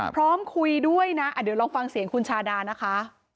พร้อมคุยด้วยนะเดี๋ยวลองฟังเสียงคุณชาดานะคะ